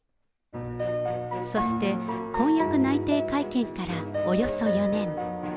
そして、婚約内定会見からおよそ４年。